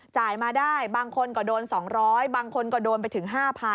มาได้บางคนก็โดน๒๐๐บางคนก็โดนไปถึง๕๐๐๐